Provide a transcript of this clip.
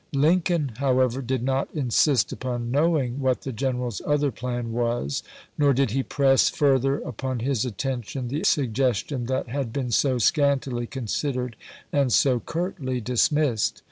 Lincoln, how ever, did not insist upon knowing what the general's " other plan " was ; nor did he press further upon his attention the suggestion that had been so scantily cousidered and so curtly dis missed.